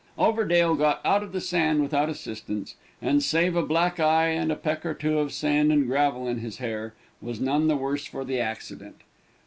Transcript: Overdale got out of the sand without assistance, and, save a black eye, and a peck or two of sand and gravel in his hair, was none the worse for the accident.